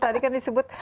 tadi kan disebut